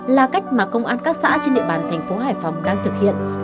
là cách mà công an các xã trên địa bàn thành phố hải phòng đang thực hiện